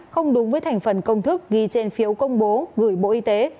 không đúng với thành phần công thức ghi trên phiếu công bố gửi bộ y tế